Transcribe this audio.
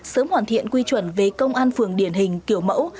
sớm hoàn thiện quy chuẩn về công an phường điển hình kiểu mẫu